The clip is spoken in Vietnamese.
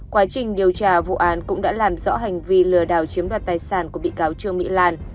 quá trình điều tra vụ án cũng đã làm rõ hành vi lừa đảo chiếm đoạt tài sản của bị cáo trương mỹ lan